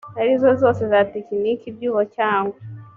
arizo zose za tekiniki ibyuho cyangwa